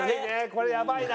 これやばいな。